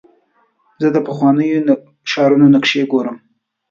زه د پخوانیو ښارونو نقشې ګورم.